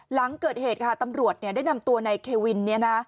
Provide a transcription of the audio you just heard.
หลังเกิดเหตุค่ะตำรวจเนี่ยได้นำตัวนายเควินเนี่ยนะ